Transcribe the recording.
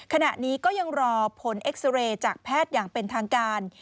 ขณะนี้ก็ยังรอผลเอ็กซาเรย์จากแพทย์อย่างเป็นทางการ